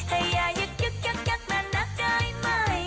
ให้แย่ยึ๊กมาหนักได้ไหม